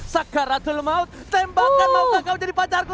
sekarang rattelmaut tembakan mau kagau jadi pacarku